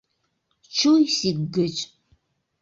— Чуйсик гыч.